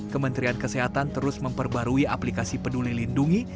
kementerian kesehatan terus memperbarui aplikasi peduli lindungi